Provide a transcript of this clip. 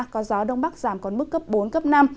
có gió đông bắc giảm còn mức cấp bốn cấp năm